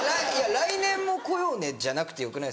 「来年も来ようね」じゃなくてよくないですか。